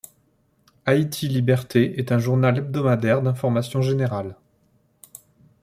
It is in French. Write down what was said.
Haïti Liberté est un journal hebdomadaire d'information générale.